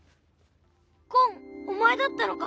ごんお前だったのか。